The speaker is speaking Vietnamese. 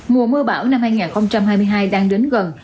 mùa mưa bão năm hai nghìn hai mươi hai đang đến gần